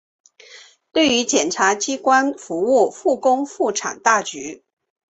对于检察机关服务复工复产大局